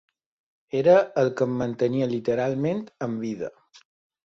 Era el que em mantenia literalment amb vida.